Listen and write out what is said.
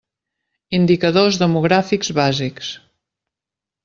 Indicadors Demogràfics Bàsics.